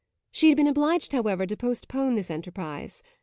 She had been obliged, however, to postpone this enterprise.